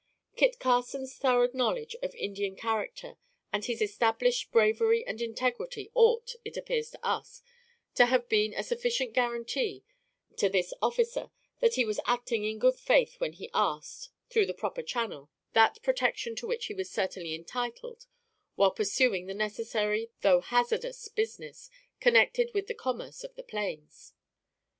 Kit Carson's thorough knowledge of Indian character and his established bravery and integrity ought, it appears to us, to have been a sufficient guaranty to this officer, that he was acting in good faith when he asked, through the proper channel, that protection to which he was certainly entitled while pursuing the necessary though hazardous business, connected with the commerce of the plains.